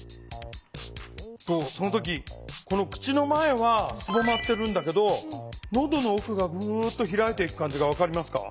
その時口の前はすぼまってるんだけどのどの奥が開いていく感じが分かりますか？